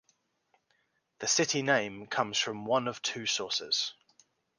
The city name comes from one of two sources.